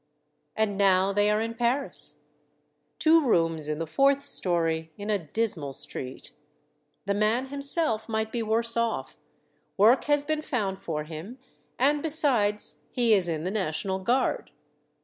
And now they are in Paris. Two rooms in the fourth story, in a dismal street. The man himself might be worse off; work has been found for him, and besides, he is in the national guard.